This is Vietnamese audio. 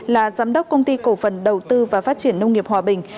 là giám đốc công ty cổ phần đầu tư và phát triển nông nghiệp hòa bình